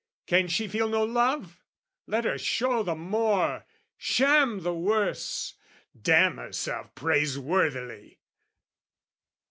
Can she feel no love? Let her show the more, Sham the worse, damn herself praiseworthily!